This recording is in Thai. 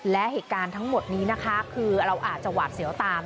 และเหตุการณ์ทั้งหมดนี้นะคะคือเราอาจจะหวาดเสียวตาม